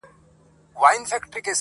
چي په ځان كي دا جامې د لوى سلطان سي٫